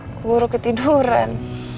gue baru ketiduran